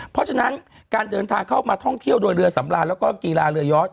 เพราะฉะนั้นการเดินทางเข้ามาท่องเที่ยวโดยเรือสำราญแล้วก็กีฬาเรือยอด